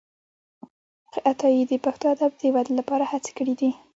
عطايي د پښتو ادب د ودې لپاره هڅي کړي دي.